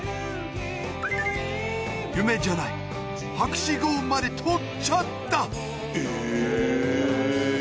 夢じゃない博士号まで取っちゃった！